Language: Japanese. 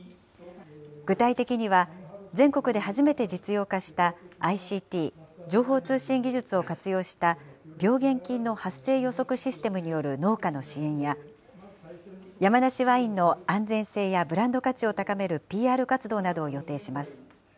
具体的には、全国で初めて実用化したＩＣＴ・情報通信技術を活用した病原菌の発生予測システムによる農家の支援や、山梨ワインの安全性やブランド価値を高めるＰＲ活動などを予定します。